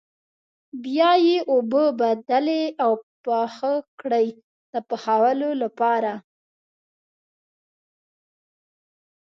بیا یې اوبه بدلې او پاخه کړئ د پخولو لپاره.